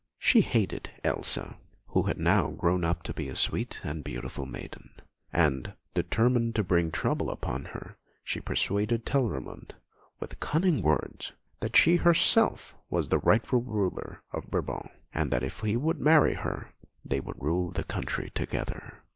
She hated Elsa, who had now grown up to be a sweet and beautiful maiden; and, determined to bring trouble upon her, she persuaded Telramund, with cunning words, that she herself was the rightful ruler of Brabant, and that if he would marry her they would rule the country together.